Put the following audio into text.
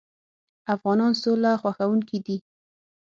افغانان سوله خوښوونکي دي.